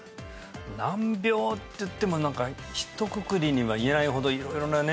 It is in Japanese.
難病っていっても何かひとくくりにはいえないほど色々なね